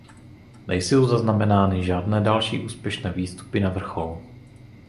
Nejsou zaznamenány žádné další úspěšné výstupy na vrchol.